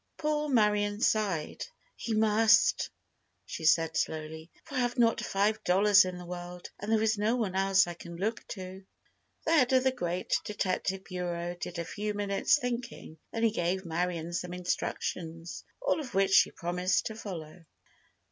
Poor Marion sighed. "He must," she said, slowly, "for I have not five dollars in the world, and there is no one else I can look to." The head of the great Detective Bureau did a few minutes' thinking, then he gave Marion some instructions, all of which she promised to follow.